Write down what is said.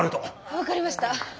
分かりました。